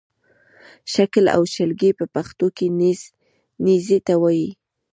شل او شلګی په پښتو کې نېزې ته وایې